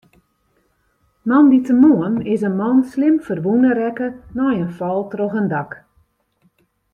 Moandeitemoarn is in man slim ferwûne rekke nei in fal troch in dak.